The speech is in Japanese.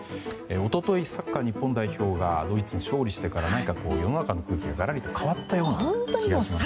一昨日、サッカー日本代表がドイツに勝利してから世の中の空気ががらりと変わったような気がしますね。